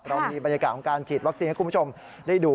เรามีบรรยากาศของการฉีดวัคซีนให้คุณผู้ชมได้ดู